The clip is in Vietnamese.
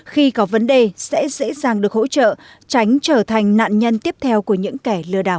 khi có vấn đề sẽ dễ dàng được hỗ trợ tránh trở thành nạn nhân tiếp theo của những kẻ lừa đảo